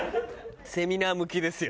セミナー向きですよ。